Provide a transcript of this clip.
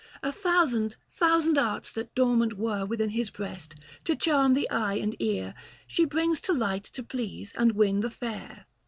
A thousand, thousand arts that dormant were Within his breast, to charm the eye and ear, She brings to light to please and win the fair.